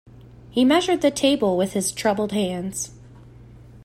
He measured the table with his troubled hands.